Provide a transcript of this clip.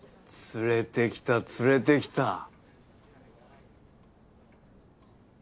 連れてきた連れてきた。